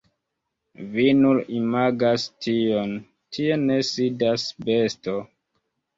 Vi nur imagas tion, tie ne sidas besto.